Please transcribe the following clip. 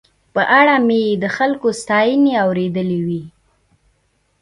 په اړه مې یې د خلکو ستاينې اورېدلې وې.